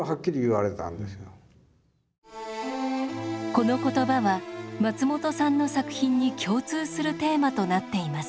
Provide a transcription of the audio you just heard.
この言葉は松本さんの作品に共通するテーマとなっています。